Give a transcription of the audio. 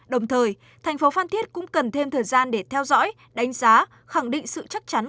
đồng thời thành phố phan thiết cũng cần thêm thời gian để theo dõi đánh giá khẳng định sự chắc chắn